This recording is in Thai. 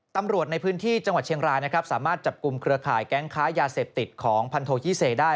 ตำรวจในพื้นที่จังหวัดเชียงรายนะครับสามารถจับกลุ่มเครือข่ายแก๊งค้ายาเสพติดของพันโทยี่เซได้